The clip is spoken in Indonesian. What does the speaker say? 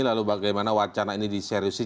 lalu bagaimana wacana ini diserusi